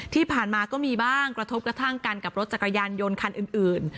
ที่ผ่านมาก็มีบ้างกระทบกระทั่งกันกับรถจักรยานยนต์คันอื่น